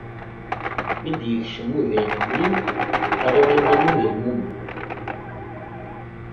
Mi d-ikcem uday n mmi-m, terriḍ iman-im d lmumen.